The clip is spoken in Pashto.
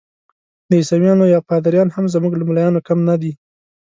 د عیسویانو پادریان هم زموږ له ملایانو کم نه دي.